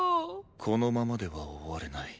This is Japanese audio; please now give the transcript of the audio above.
このままでは終われない。